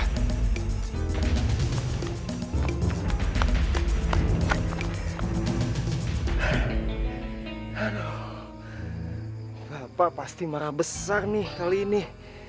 bapak pasti marah besar nih kali ini